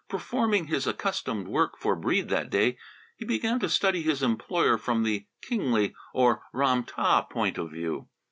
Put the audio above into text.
Performing his accustomed work for Breede that day, he began to study his employer from the kingly, or Ram tah, point of view.